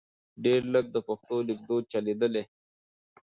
ډېر لږ د پښتو لیکدود چلیدل .